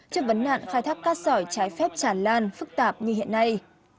trước vấn nạn khai thác cát sỏi trái phép tràn lan phức tạp như hiện nay